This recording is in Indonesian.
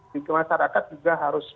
di masyarakat juga harus